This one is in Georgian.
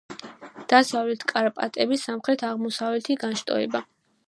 დასავლეთი კარპატების სამხრეთ-აღმოსავლეთი განშტოება.